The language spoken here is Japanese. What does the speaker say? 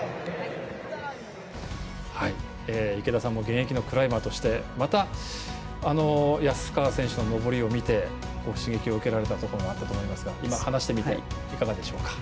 池田さんも現役のクライマーとしてまた安川選手の登りを見て刺激を受けられたところもあったと思いますが今、話してみていかがでしょうか？